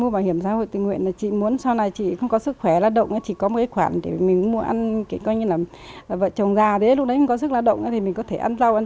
bây giờ nhìn thấy rồi nên là quyết định tham gia bảo hiểm xã hội tự nguyện cho cả hai vợ chồng luôn